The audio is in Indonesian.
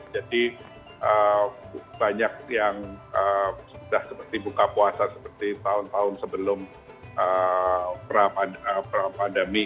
jadi banyak yang sudah seperti buka puasa seperti tahun tahun sebelum pandemi